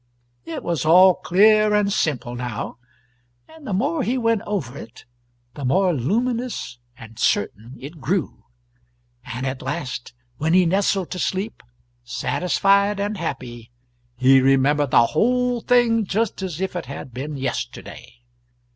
It was all clear and simple, now, and the more he went over it the more luminous and certain it grew; and at last, when he nestled to sleep, satisfied and happy, he remembered the whole thing just as if it had been yesterday.